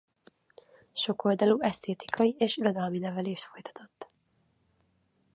Sokoldalú esztétikai és irodalmi nevelést folytatott.